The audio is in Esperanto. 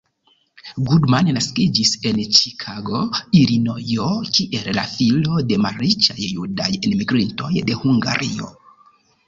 Goodman naskiĝis en Ĉikago, Ilinojo kiel la filo de malriĉaj judaj enmigrintoj de Hungario.